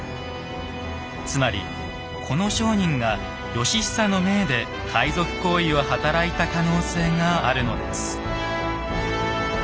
つまりこの商人が義久の命で海賊行為を働いた可能性があるのです。